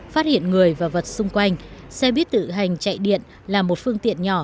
phát hiện người và vật xung quanh xe buýt tự hành chạy điện là một phương tiện nhỏ